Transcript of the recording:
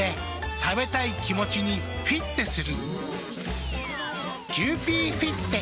食べたい気持ちにフィッテする。